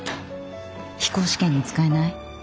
飛行試験に使えない？